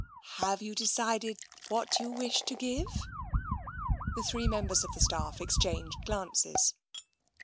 " Have you decided what you wish to give ?" The three members of the staff exchanged glances.